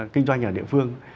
kinh doanh ở địa phương